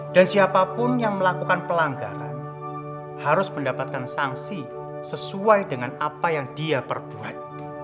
dan siapapun yang melakukan pelanggaran harus mendapatkan sangsi sesuai dengan apa yang dia perbuat